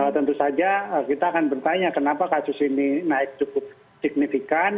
tentu saja kita akan bertanya kenapa kasus ini naik cukup signifikan